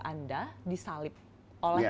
anda disalib oleh